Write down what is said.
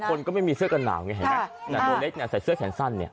คือบางคนก็ไม่มีเสื้อกันหนาวเห็นไหมแต่ตัวเล็กใส่เสื้อแขนสั้นเนี่ย